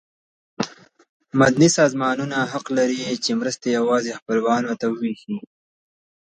مدني سازمانونه حق نه لري چې مرستې یوازې خپلوانو ته وویشي.